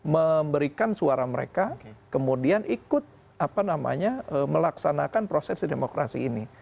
memberikan suara mereka kemudian ikut melaksanakan proses demokrasi ini